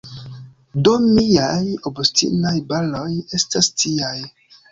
Do miaj “obstinaj baroj” estas tiaj.